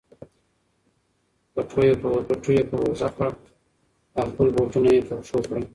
پټو یې په اوږه کړ او خپل بوټونه یې په پښو کړل.